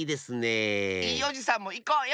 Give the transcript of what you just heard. いいおじさんもいこうよ！